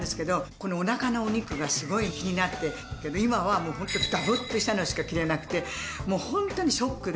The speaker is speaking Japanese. このお腹のお肉がすごい気になって今はダボッとしたのしか着れなくてもうホントにショックで。